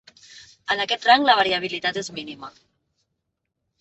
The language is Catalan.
En aquest rang la variabilitat és mínima.